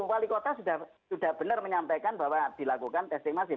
wali kota sudah benar menyampaikan bahwa dilakukan testing masif